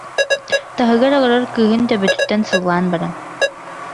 Таһыгар олорор кыыһын төбөтүттэн сыллаан баран: